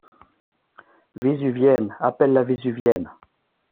Vésuvienne ! appelle-la vésuvienne !